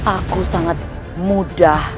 aku sangat mudah